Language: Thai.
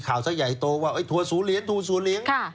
ข่าวสักใหญ่โตว่าทัวร์ศูนย์เหรียญทัวร์ศูนย์เหรียญ